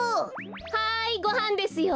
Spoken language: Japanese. はいごはんですよ。